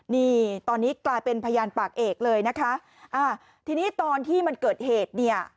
นี่ตอนนี้กลายเป็นพยานปากเอกเลยนะคะอ่าทีนี้ตอนที่มันเกิดเหตุเนี่ย